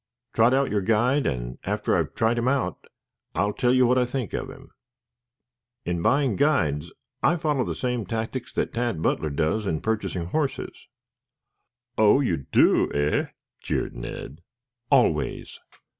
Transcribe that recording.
Trot out your guide and, after I've tried him out, I'll tell you what I think of him. In buying guides I follow the same tactics that Tad Butler does in purchasing horses." "Oh, you do, eh?" jeered Ned. "Always."